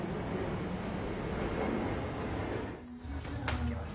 開けます。